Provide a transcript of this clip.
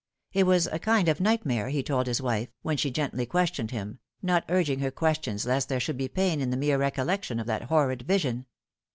It was a kind of nightmare, he told his wife, when she gently questioned him, not urging her questions lest there should be pain in the mere recollection of that horrid vision.